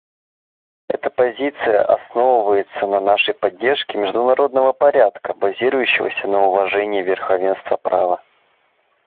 Эта позиция основывается на нашей поддержке международного порядка, базирующегося на уважении верховенства права.